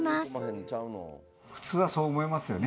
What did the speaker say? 普通はそう思いますよね。